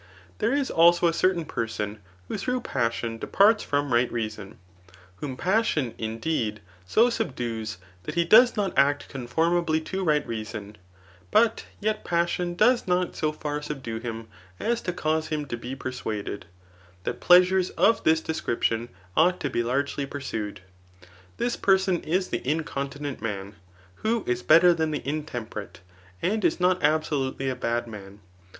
There is also a certsun person who through passion departs from right reason, whom passion, indeed, so subdues, that he does not act conformably to right reason ; but yet passion does not so far subdue him as to cause him to be persuaded, that pleasures of this description ought to be largely pursued. This person is the incontinent man, who is better than the intemperate, and is not absolutely a bad man.